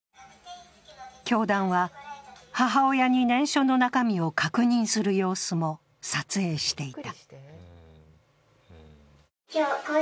教団は、母親に念書の中身を確認する様子も撮影していた。